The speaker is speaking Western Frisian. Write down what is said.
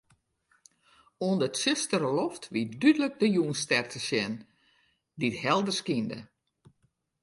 Oan 'e tsjustere loft wie dúdlik de Jûnsstjer te sjen, dy't helder skynde.